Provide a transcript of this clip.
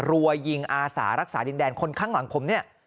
รัวยิงอาสารักษาดินแดนคนข้างหลังผมเนี่ย